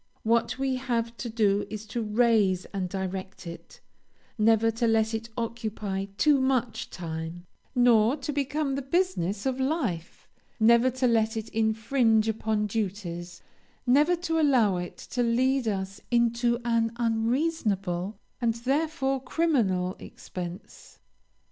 What we have to do is to raise and direct it; never to let it occupy too much time, nor to become the business of life; never to let it infringe upon duties; never to allow it to lead us into an unreasonable, and, therefore, criminal expense.